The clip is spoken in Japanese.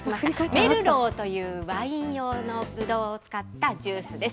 メルローというワイン用のぶどうを使ったジュースです。